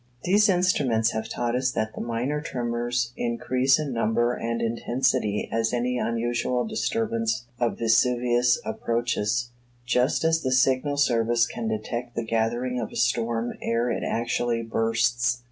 These instruments have taught us that the minor tremors increase in number and intensity as any unusual disturbance of Vesuvius approaches; just as the Signal Service can detect the gathering of a storm ere it actually bursts.